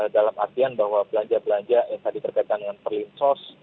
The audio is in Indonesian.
dalam artian bahwa belanja belanja yang tadi terkait dengan perlinsos